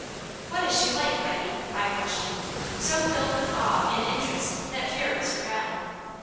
"What is she like, Laddie?" I questioned, so filled with awe and interest, that fear was forgotten.